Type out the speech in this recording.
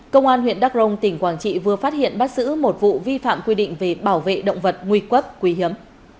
công an huyện đắk rông tỉnh quảng trị vừa phát hiện bắt xử một vụ vi phạm quy định về bảo vệ động vật nguy quốc quý hiếm